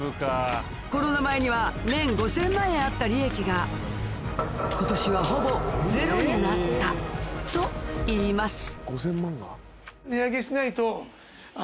コロナ前には年５０００万円あった利益が今年はほぼゼロになったといいます